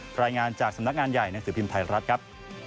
รายงานจากสำนักงานใหญ่หนังสือพิมพ์ไทยรัฐครับ